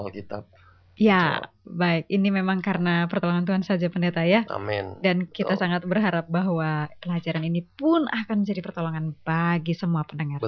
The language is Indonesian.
kemuliaan sudah lindungi semua